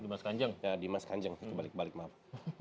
dimas kanjeng ya dimas kanjeng itu balik balik maaf